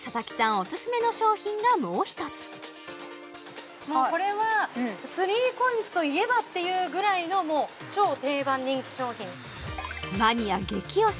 オススメの商品がもう一つこれは３ＣＯＩＮＳといえば！っていうぐらいのもう超定番人気商品マニア激推し！